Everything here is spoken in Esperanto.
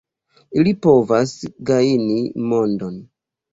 Ili povas gajni mondon.